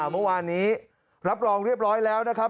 เมื่อวานนี้รับรองเรียบร้อยแล้วนะครับ